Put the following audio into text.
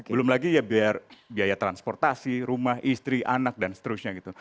belum lagi biaya transportasi rumah istri anak dan seterusnya